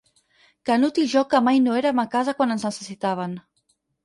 Canut i jo que mai no érem a casa quan ens necessitaven.